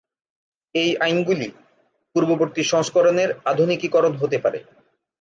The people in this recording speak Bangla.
এই আইনগুলি পূর্ববর্তী সংস্করণের আধুনিকীকরণ হতে পারে।